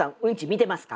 見てます。